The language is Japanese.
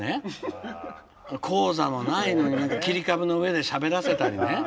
高座もないのに切り株の上でしゃべらせたりね。